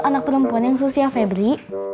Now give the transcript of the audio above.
anak perempuan yang usia febri